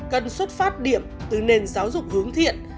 cần xuất phát điểm từ nền giáo dục hướng thiện